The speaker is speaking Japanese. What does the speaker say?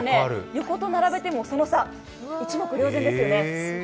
横と並べてもその差、一目瞭然ですよね。